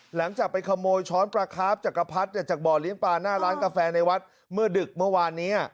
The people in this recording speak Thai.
หลังจากไปขโมยช้อนปลาคาฟจักรพรรดิจากบ่อเลี้ยงปลาหน้าร้านกาแฟในวัดเมื่อดึกเมื่อวานนี้